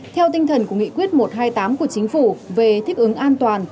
theo tinh thần của nghị quyết một trăm hai mươi tám của chính phủ về thích ứng an toàn